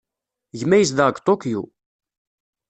Gma yezdeɣ deg Tokyo.